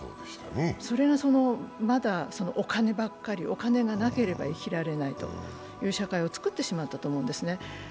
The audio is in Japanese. それがまだお金ばっかり、お金がなければ生きられないという社会を作ってしまったと思うんですね。